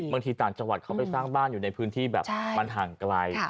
บางทีต่างจังหวัดเขาไปสร้างบ้านอยู่ในพื้นที่แบบมันห่างไกล